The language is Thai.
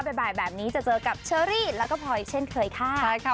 บ่ายแบบนี้จะเจอกับเชอรี่แล้วก็พลอยเช่นเคยค่ะใช่ค่ะ